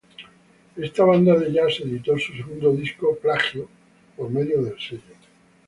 Esta banda de jazz editó su segundo disco "Plagio" por medio del sello.